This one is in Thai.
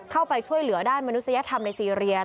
เข้าไปช่วยเหลือด้านมนุษยธรรมในซีเรีย